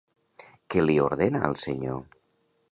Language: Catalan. Què li ordena al senyor?